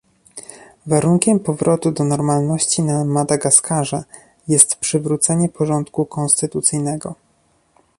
Warunkiem powrotu do normalności na Madagaskarze jest przywrócenie porządku konstytucyjnego